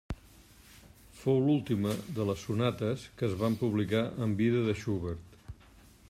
Fou l'última de les sonates que es van publicar en vida de Schubert.